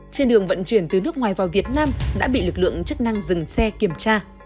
trên đường vận chuyển từ nước ngoài vào việt nam đã bị lực lượng chức năng dừng xe kiểm tra